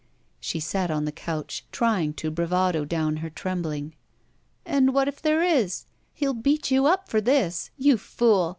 She sat on the couch, trying to bravado down her trembling. "And what if there is? He'll beat you up for this! You fool!